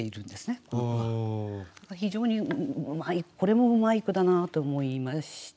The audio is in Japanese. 非常にうまいこれもうまい句だなと思いました。